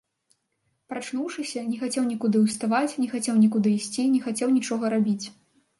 Прачнуўшыся, не хацеў уставаць, не хацеў нікуды ісці, не хацеў нічога рабіць.